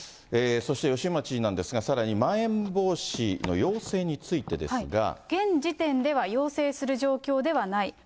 そして吉村知事なんですが、さらにまん延防止の要請についてですが。現時点では要請する状況ではない。